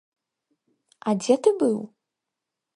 А дзе ты быў?